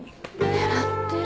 狙ってる。